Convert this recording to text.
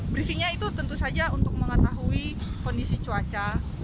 briefingnya itu tentu saja untuk mengetahui kondisi cuaca